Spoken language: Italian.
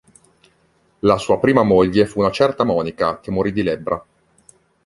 La sua prima moglie fu una certa Monica, che morì di lebbra.